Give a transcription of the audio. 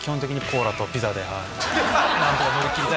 何とか乗り切りたい。